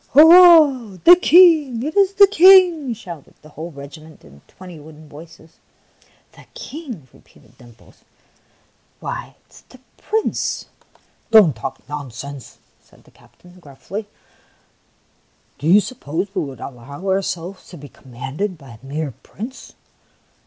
"Hurrah! The King! It is the King!" shouted the whole regiment in twenty wooden voices. " The King !" repeated Dimples. " Why, it is the Prince !" THE PALACE ON THE FLOOR 39 " Don't talk nonsense," said the captain, gruffly. " Do you suppose we would allow ourselves to be commanded by a mere Prince